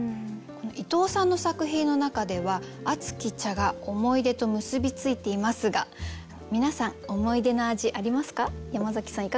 伊藤さんの作品の中では「熱き茶」が思い出と結び付いていますが皆さん思い出の味ありますか？